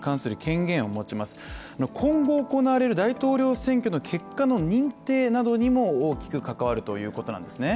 今後行われる大統領選挙の結果の認定にも大きく関わるということなんですね。